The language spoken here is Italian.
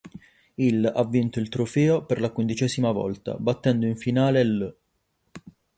Il ha vinto il trofeo per la quindicesima volta, battendo in finale l'.